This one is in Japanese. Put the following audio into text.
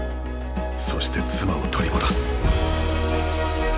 そして妻を取り戻す。